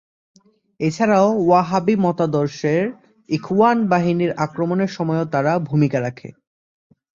এছাড়াও ওয়াহাবি মতাদর্শের ইখওয়ান বাহিনীর আক্রমণের সময়ও তারা ভূমিকা রাখে।